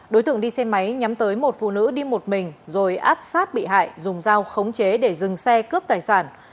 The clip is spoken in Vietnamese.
đối tượng đi xe máy nhắm tới một phụ nữ đi một mình rồi áp sát bị hại dùng dao khống chế để dừng xe cướp tài sản